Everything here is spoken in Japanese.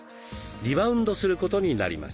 リバウンドすることになります。